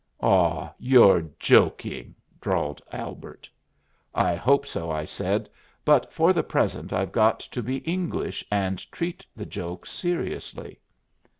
"Aw, you're joking," drawled Albert. "I hope so," I said, "but for the present I've got to be English and treat the joke seriously."